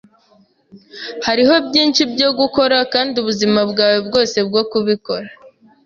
Hariho byinshi byo gukora, kandi ubuzima bwawe bwose bwo kubikora.